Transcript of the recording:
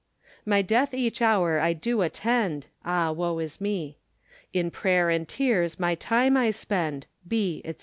My death each houre I do attend; Ah woe is me. In prayer and tears my time I spend: Be, &c.